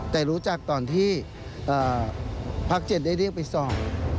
แต่รู้จักตอนที่ภาค๗ได้เรียกไปสอบ